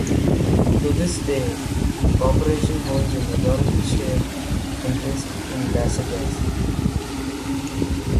To this day, the Corporation holds a majority share interest in Lassiter's.